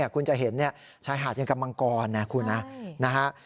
คุณจะเห็นชายหาดอย่างกับมังกรนะคุณนะ